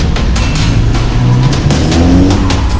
setelah kau oliusu